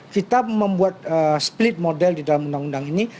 kita membuat split model di dalam undang undang ini